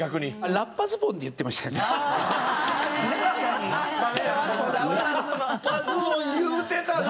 ラッパズボン言うてたな。